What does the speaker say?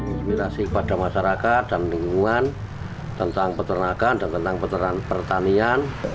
inspirasi kepada masyarakat dan lingkungan tentang peternakan dan tentang pertanian